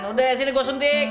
udah sini gue suntik